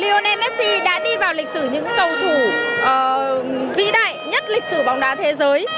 lionel messi đã đi vào lịch sử những cầu thủ vĩ đại nhất lịch sử bóng đá thế giới